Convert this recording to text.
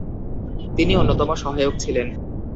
তিনি অন্যতম সহায়ক ছিলেন।